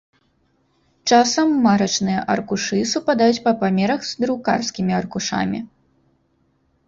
Часам марачныя аркушы супадаюць па памерах з друкарскімі аркушамі.